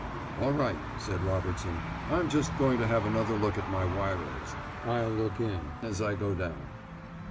"All right," said Robertson, "I'm just going to have another look at my wirers. I'll look in as I go down."